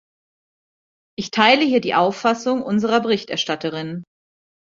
Ich teile hier die Auffassung unserer Berichterstatterin.